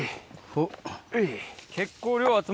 おっ。